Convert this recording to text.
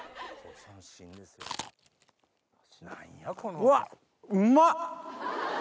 うわうまっ！